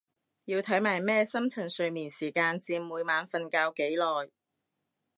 要睇埋咩深層睡眠時間佔每晚瞓覺幾耐？